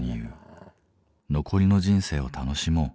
「残りの人生を楽しもう。